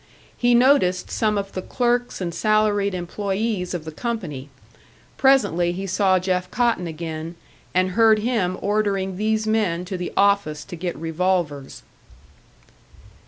He noticed some of the clerks and salaried employés of the company; presently he saw Jeff Cotton again, and heard him ordering these men to the office to get revolvers.